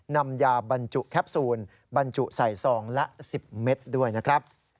นำยาบรรจุแคปซูลบรรจุใส่ซองละ๑๐เมตรด้วยนะครับ